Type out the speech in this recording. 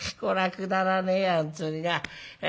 くだらねえや本当にな。